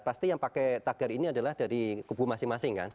pasti yang pakai tagar ini adalah dari kubu masing masing kan